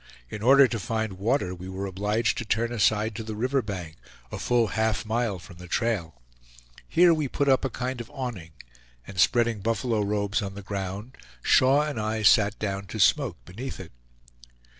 In order to find water, we were obliged to turn aside to the river bank, a full half mile from the trail. Here we put up a kind of awning, and spreading buffalo robes on the ground, Shaw and I sat down to smoke beneath it.